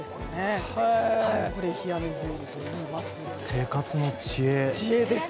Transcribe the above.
生活の知恵。